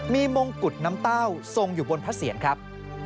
มีมงกุฎน้ำเต้าทรงอยู่บนพระเสียรครับ